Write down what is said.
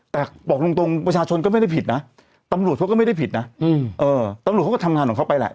แต่บอกตรงประชาชนก็ไม่ได้ผิดนะตำรวจเขาก็ไม่ได้ผิดนะตำรวจเขาก็ทำงานของเขาไปแหละ